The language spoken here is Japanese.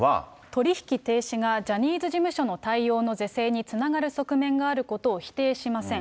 取り引き停止がジャニーズ事務所の対応の是正につながる側面があることを否定しません。